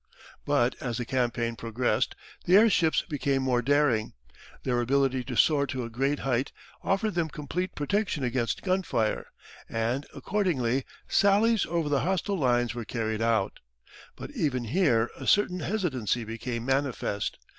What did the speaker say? But as the campaign progressed, the airships became more daring. Their ability to soar to a great height offered them complete protection against gun fire, and accordingly sallies over the hostile lines were carried out. But even here a certain hesitancy became manifest.